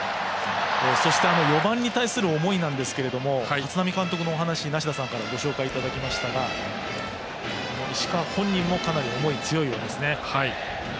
そして、４番に対する思いなんですが立浪監督のお話を梨田さんからお話いただきましたが石川本人もかなり思い、強いようです。